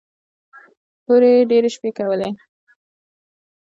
هورې يې ډېرې شپې کولې.